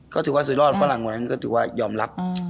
ก็ถือว่าสุดรอดฝรั่งวันนั้นก็ถือว่ายอมรับ